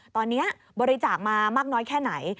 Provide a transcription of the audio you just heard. ตอนนี้บริจาคมามากน้อยแค่ไหน